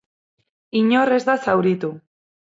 Inor ez da zauritu.